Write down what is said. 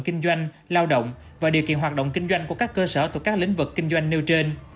kinh doanh lao động và điều kiện hoạt động kinh doanh của các cơ sở thuộc các lĩnh vực kinh doanh nêu trên